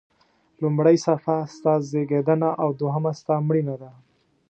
لومړۍ صفحه ستا زیږېدنه او دوهمه ستا مړینه ده.